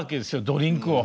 ドリンクを。